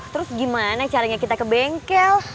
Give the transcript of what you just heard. terus gimana caranya kita ke bengkel